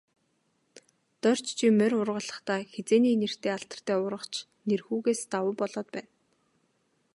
Дорж чи морь уургалахдаа, хэзээний нэртэй алдартай уургач Нэрэнхүүгээс давуу болоод байна.